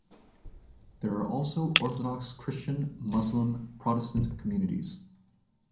There are also Orthodox Christian, Muslim, Protestant communities.